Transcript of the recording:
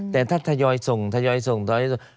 แล้วถยอยส่งถยอยส่งถยอยส่ง